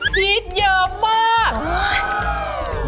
ชีสเยอะมาก